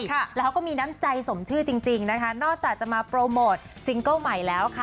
ค่ะแล้วเขาก็มีน้ำใจสมชื่อจริงจริงนะคะนอกจากจะมาโปรโมทซิงเกิ้ลใหม่แล้วค่ะ